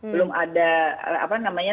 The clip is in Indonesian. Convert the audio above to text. belum ada apa namanya